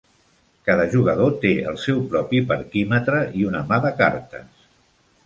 Cada jugador té el seu propi parquímetre i una mà de cartes.